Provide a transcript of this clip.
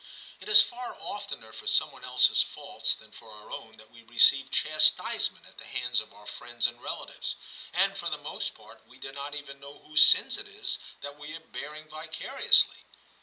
It is far oftener for some one else s faults than for our own that we receive chastise ment at the hands of our friends and relatives, and for the most part we do not even know whose sins it is that we are bearing vicari ously.